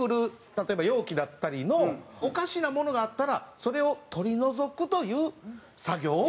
例えば容器だったりのおかしなものがあったらそれを取り除くという作業を。